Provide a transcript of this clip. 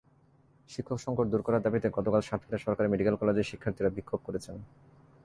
শিক্ষকসংকট দূর করার দাবিতে গতকাল সাতক্ষীরা সরকারি মেডিকেল কলেজের শিক্ষার্থীরা বিক্ষোভ করেছেন।